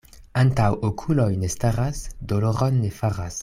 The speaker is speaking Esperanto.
Antaŭ okuloj ne staras, doloron ne faras.